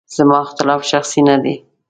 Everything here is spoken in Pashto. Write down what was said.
زما اختلاف شخصي نه دی.